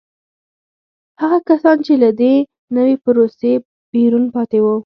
هغه کسان چې له دې نوې پروسې بیرون پاتې وو